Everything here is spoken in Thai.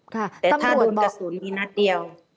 แต่ถ้าโดนกระสุนมีนัดเดียว